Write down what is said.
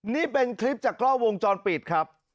นี่เป็นคลิปจากกล้องวงจรปิดครับ